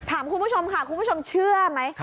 คุณผู้ชมค่ะคุณผู้ชมเชื่อไหม